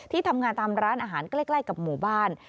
ทำงานตามร้านอาหารใกล้กับหมู่บ้าน